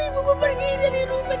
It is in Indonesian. ibu ibu pergi dari rumah